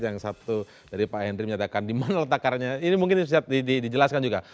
yang satu dari pak henry menyatakan di mana letakkannya ini mungkin bisa dijelaskan juga